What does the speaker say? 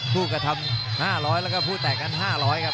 ผู้กระทำ๕๐๐แล้วก็ผู้แตกนั้น๕๐๐ครับ